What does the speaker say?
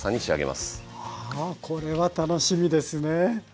あこれは楽しみですね。